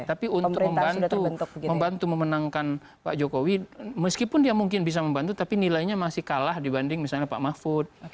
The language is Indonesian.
tapi untuk membantu memenangkan pak jokowi meskipun dia mungkin bisa membantu tapi nilainya masih kalah dibanding misalnya pak mahfud